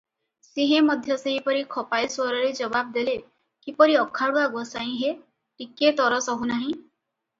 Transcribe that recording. ସିଂହେ ମଧ୍ୟ ସେହିପରି ଖପାଇ ସ୍ୱରରେ ଜବାବ ଦେଲେ, "କିପରି ଅଖାଡ଼ୁଆ ଗୋସେଇଁ ହେ, ଟିକିଏ ତର ସହୁନାହିଁ?"